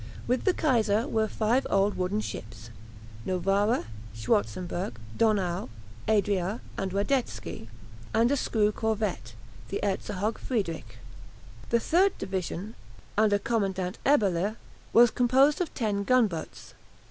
With the "Kaiser" were five old wooden ships ("Novara," "Schwarzenberg," "Donau," "Adria," and "Radetzky") and a screw corvette, the "Erzherzog Friedrich." The third division, under Commandant Eberle, was composed of ten gunboats.